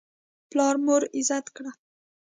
پلار مور عزت کړه.